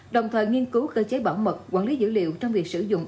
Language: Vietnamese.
đồng thời nghiên cứu cơ chế bảo mật quản lý dữ liệu trong việc sử dụng